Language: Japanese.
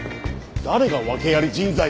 誰が訳あり人材だ。